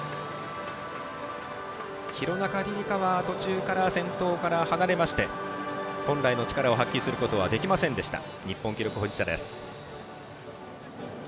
廣中璃梨佳は途中から先頭から離れまして本来の力を発揮できませんでした日本記録保持者です。